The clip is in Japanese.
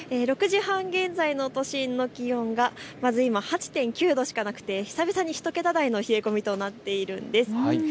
６時半現在の都心の気温が８．９度しかなくて久々に１桁台の冷え込みとなっているんです。